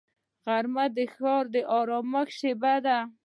غرمه د ښار د ارامۍ شیبه ده